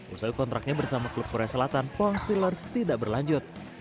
usai kontraknya bersama klub korea selatan pon steelers tidak berlanjut